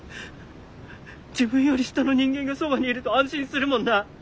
自分より下の人間がそばにいると安心するもんな。